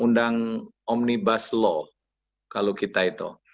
undang omnibus law kalau kita itu